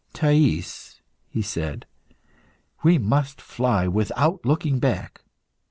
"Thais," he said, "we must fly without looking back.